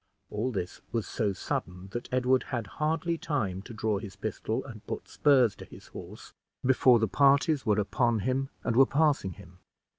All this was so sudden, that Edward had hardly time to draw his pistol and put spurs to his horse, before the parties were upon him, and were passing him.